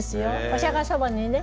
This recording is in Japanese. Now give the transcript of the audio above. お釈様にね